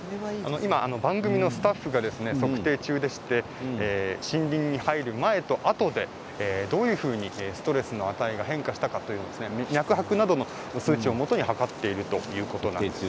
今、番組のスタッフが測定中でして森林に入る前と後でどういうふうにストレスの値が変化したというのを脈拍などの数値をもとに測っているということなんです。